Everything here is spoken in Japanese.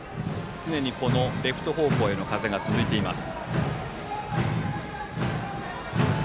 常にレフト方向への風が続きます。